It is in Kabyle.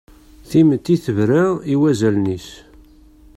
Timetti tebra i wazalen-is.